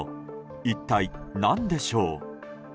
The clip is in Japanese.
一体何でしょう？